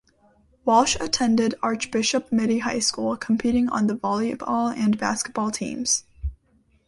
Walsh attended Archbishop Mitty High School, competing on the volleyball and basketball teams.